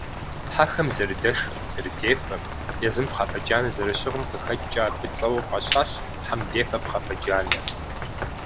Хьэхэм зэрыдэшхэм, зэрыдефэм, езым пхъафэ джанэ зэрыщыгъым къыхэкӀкӀэ абы цӀэуэ фӀащащ «Хьэмдефэ Пхъафэджанэ».